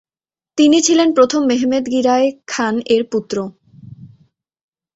তিনি ছিলেন প্রথম মেহমেদ গিরায় খান এর পুত্র।